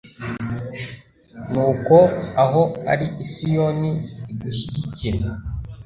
nuko aho ari i siyoni igushyigikire